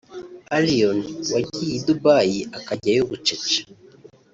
Allioni wagiye i Dubai akajyayo bucece